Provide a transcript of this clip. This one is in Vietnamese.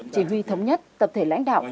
chỉ huy thống nhất tập thể lãnh đạo